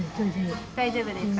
大丈夫ですか？